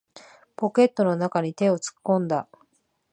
ポケットの中に手を突っ込んだ。